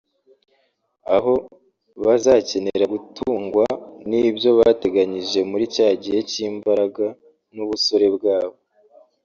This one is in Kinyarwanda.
aho bazakenera gutungwa n’ibyo bateganyije muri cya gihe cy’imbaraga n’ubusore bwabo